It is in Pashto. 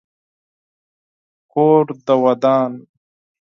کور دي ودان .